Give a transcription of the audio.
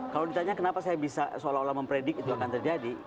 kalau ditanya kenapa saya bisa seolah olah mempredik itu akan terjadi